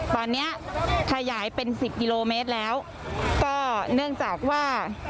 ตอนนี้ขยายเป็นสิบกิโลเมตรแล้วก็เนื่องจากว่า